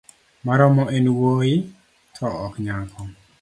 Maromo en wuoyi to ok nyako